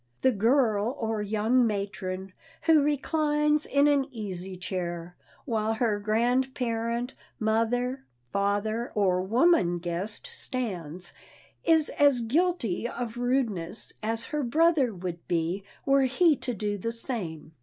The girl or young matron who reclines in an easy chair, while her grandparent, mother, father, or woman guest stands, is as guilty of rudeness as her brother would be were he to do the same.